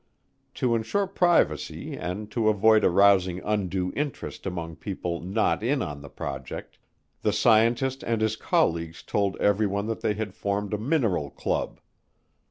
To insure privacy and to avoid arousing undue interest among people not in on the project, the scientist and his colleagues told everyone that they had formed a mineral club.